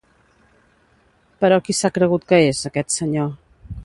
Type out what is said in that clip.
Però qui s’ha cregut que és, aquest senyor?